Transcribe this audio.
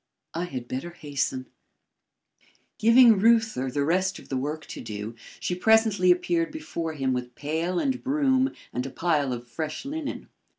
"I had better hasten." Giving Reuther the rest of the work to do, she presently appeared before him with pail and broom and a pile of fresh linen.